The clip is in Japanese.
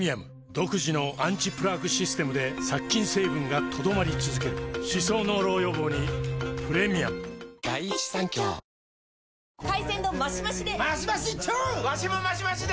独自のアンチプラークシステムで殺菌成分が留まり続ける歯槽膿漏予防にプレミアム海鮮丼マシマシで！